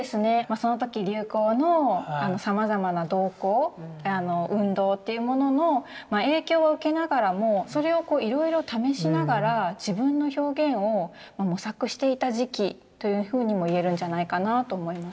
その時流行のさまざまな動向運動というものの影響を受けながらもそれをいろいろ試しながら自分の表現を模索していた時期というふうにも言えるんじゃないかなと思います。